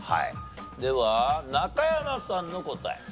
では中山さんの答え。